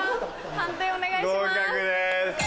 判定お願いします。